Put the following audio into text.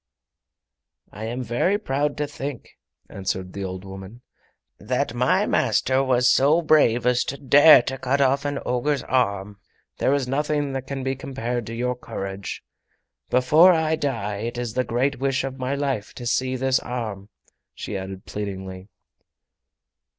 "I am very proud to think," answered the old woman, "that my master was so brave as to dare to cut off an ogre's arm. There is nothing that can be compared to your courage. Before I die it is the great wish of my life to see this arm," she added pleadingly.